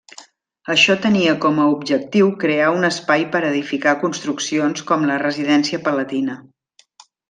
Això tenia com a objectiu crear un espai per edificar construccions com la residència palatina.